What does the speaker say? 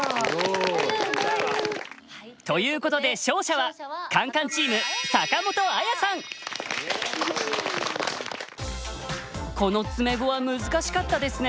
ということで勝者はこの詰碁は難しかったですね。